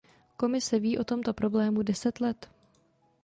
Komise ví o tomto problému deset let.